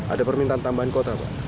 ada permintaan tambahan kota